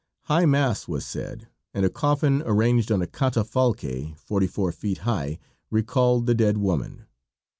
High mass was said, and a coffin arranged on a catafalque forty four feet high recalled the dead woman.